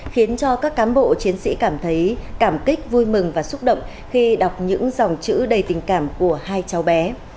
khiến cho các cám bộ chiến sĩ cảm thấy cảm kích vui mừng và xúc động khi đọc những dòng chữ đầy tình cảm của hai cháu bé